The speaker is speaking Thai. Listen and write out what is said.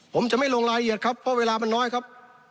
ผมจะไม่ลงรายละเอียดครับเพราะเวลามันน้อยครับ